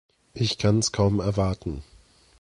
Ich kann’s kaum erwarten!